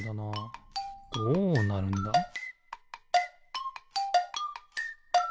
どうなるんだ？